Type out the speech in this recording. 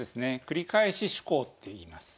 繰り返し趣向っていいます。